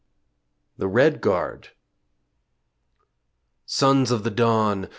THE RED GUARD Sons of the dawn!